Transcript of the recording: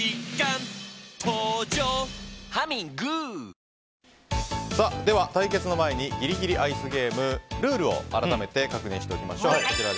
高橋さんが青では、対決の前にギリギリアイスゲームルールを改めて確認しておきましょう。